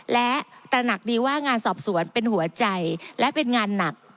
และตระหนักดีว่างานสอบสวนเป็นหัวใจและเป็นงานหนัก